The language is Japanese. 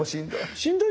しんどい。